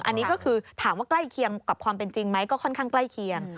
อันนี้ก็คือถามว่าใกล้เคียงกับความเป็นจริงไหมก็ค่อนข้างใกล้เคียง